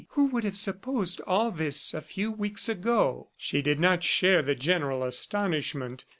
Who would have supposed all this a few weeks ago?" ... She did not share the general astonishment.